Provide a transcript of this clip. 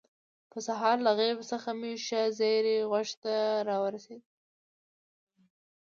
په سهار له غیب څخه مې ښه زیری غوږ ته راورسېد.